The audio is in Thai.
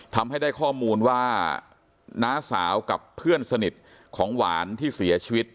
ทำให้ได้ข้อมูลว่าน้าสาวกับเพื่อนสนิทของหวานที่เสียชีวิต